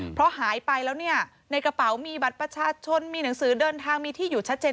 เพราะหายไปแล้วเนี่ยในกระเป๋ามีบัตรประชาชนมีหนังสือเดินทางมีที่อยู่ชัดเจน